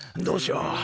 どうしよう。